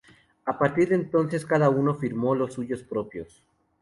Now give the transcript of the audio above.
A partir de entonces cada uno firmó los suyos propios.